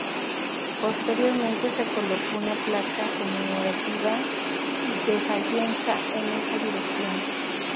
Posteriormente se colocó una placa conmemorativa de fayenza en esa dirección.